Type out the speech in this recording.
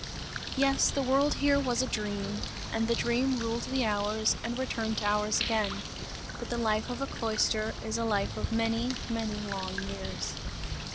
Yes, the world here was a dream, and the dream ruled the hours and returned to hours again. But the life of a cloister is a life of many, many long years.